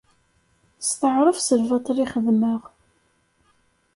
Setɛerfeɣ s lbaṭel i xedmeɣ.